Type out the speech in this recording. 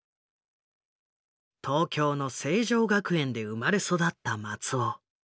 東京の成城学園で生まれ育った松尾。